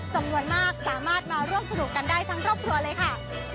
จำนวนมากสามารถมาร่วมสนุกกันได้ทั้งครอบครัวเลยค่ะ